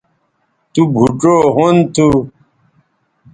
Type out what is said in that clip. تو بھوڇؤ ھُن تھو